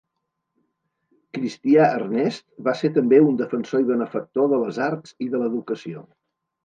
Cristià Ernest va ser també un defensor i benefactor de les arts i de l'educació.